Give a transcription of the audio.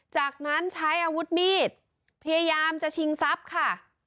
จากนั้นใช้อาวุธมีดพยายามจะชิงทรัพย์ค่ะ